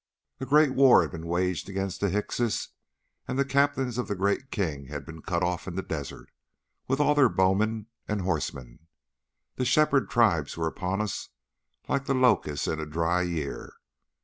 "A great war had been waged against the Hyksos, and the Captains of the Great King had been cut off in the desert, with all their bowmen and horsemen. The shepherd tribes were upon us like the locusts in a dry year.